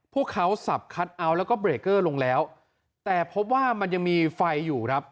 พวกเขาสับคัทเอาท์แล้วก็เบรกเกอร์ลงแล้วแต่พบว่ามันยังมีไฟอยู่ครับ